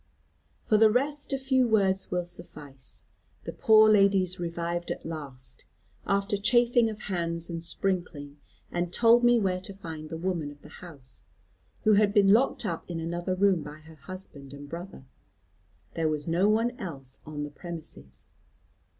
"For the rest a few words will suffice. The poor ladies revived at last, after chafing of hands and sprinkling, and told me where to find the woman of the house, who had been locked up in another room by her husband and brother. There was no one else on the premises.